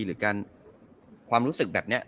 หรือการความรู้สึกแบบนี้